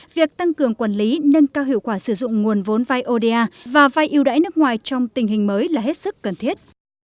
việc tăng cường quản lý nâng cao hiệu quả sử dụng nguồn vốn vai oda và vai yêu đáy nước ngoài trong tình hình mới là hết sức cần thiết